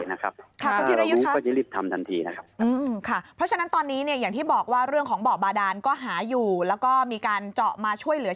หล่อทัพน้ำก็แค่น้ำมันเครียดเผลอ